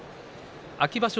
秋場所